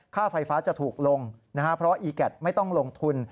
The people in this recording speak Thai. ค่าไฟฟ้าจะถูกลงเพราะอีแก๊ตไม่ต้องลงทุน